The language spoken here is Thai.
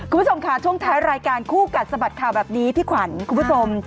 คุณผู้ชมค่ะช่วงท้ายรายการคู่กัดสะบัดข่าวแบบนี้พี่ขวัญคุณผู้ชม